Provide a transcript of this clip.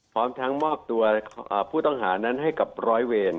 พร้อมทั้งมอบตัวผู้ต้องหานั้นให้กับร้อยเวร